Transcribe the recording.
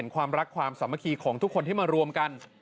ความรักความสามัคคีของทุกคนที่มารวมกัน